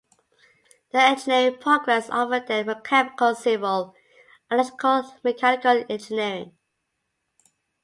The Engineering programs offered then were Chemical, Civil, Electrical and Mechanical Engineering.